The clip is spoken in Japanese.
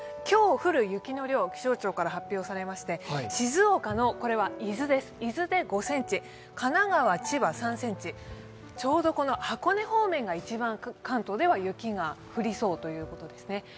今日降る雪の量が気象庁から発表されまして、静岡の伊豆で５ｃｍ、神奈川、千葉３ｃｍ、ちょうど箱根方面が一番関東では雪が降りそうということですね。